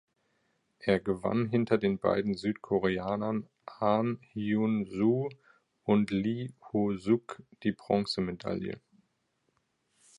Er gewann hinter den beiden Südkoreanern Ahn Hyun-soo und Lee Ho-suk die Bronzemedaille.